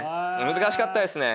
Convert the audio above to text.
難しかったですね。